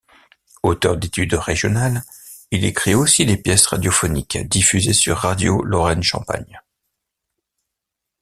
Auteur d'études régionales, il écrit aussi des pièces radiophoniques diffusées sur Radio Lorraine-Champagne.